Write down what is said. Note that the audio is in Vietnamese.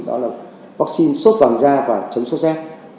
đó là vaccine sốt vàng da và chấm sốt rét